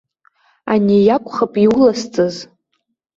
Ани иакәхап иулазҵаз!